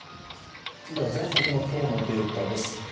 全国の今日のデータです。